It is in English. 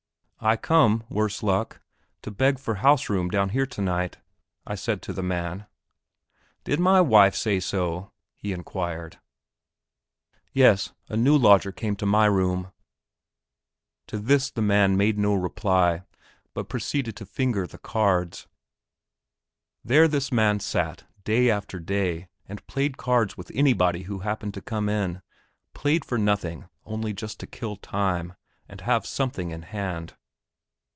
"I come, worse luck, to beg for house room down here tonight," I said to the man. "Did my wife say so?" he inquired. "Yes; a new lodger came to my room." To this the man made no reply, but proceeded to finger the cards. There this man sat, day after day, and played cards with anybody who happened to come in played for nothing, only just to kill time, and have something in hand.